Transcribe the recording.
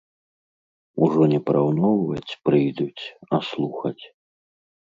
Ужо не параўноўваць прыйдуць, а слухаць.